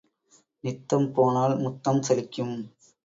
நித்தம் போனால் முத்தம் சலிக்கும்.